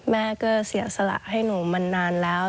แม่ก็เสียสละให้หนูมานานแล้ว